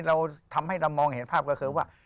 เรามองเห็นภาพก็คือว่า